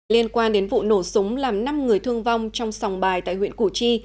liên quan đến vụ nổ súng làm năm người thương vong trong sòng bài tại huyện củ chi